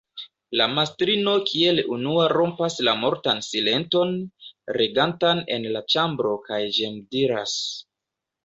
La mastrino kiel unua rompas la mortan silenton, regantan en la ĉambro kaj ĝemdiras: